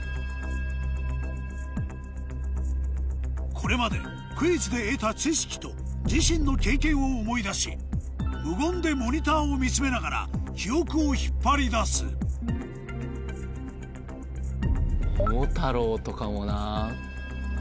これまでクイズで得た知識と自身の経験を思い出し無言でモニターを見つめながら記憶を引っ張り出す桃太郎とかもなぁ。